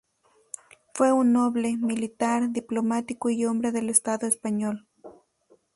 Fue un noble, militar, diplomático y hombre de estado español.